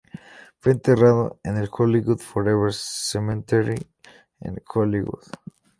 Fue enterrado en el Hollywood Forever Cemetery en Hollywood.